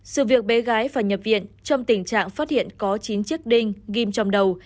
sự việc bé gái phải nhập viện trong tình trạng phát hiện có chín chiếc đinh ghim trong đầu